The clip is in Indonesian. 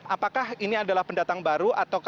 apakah ini adalah pendatang baru